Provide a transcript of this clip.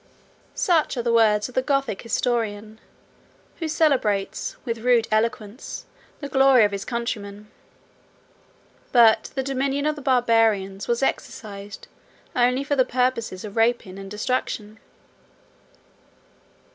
Such are the words of the Gothic historian, 72 who celebrates, with rude eloquence, the glory of his countrymen. But the dominion of the Barbarians was exercised only for the purposes of rapine and destruction.